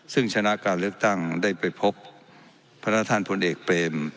ซึ่งชนะการเลือกตั้งได้ไปพบพระท่านพลเอกเปรม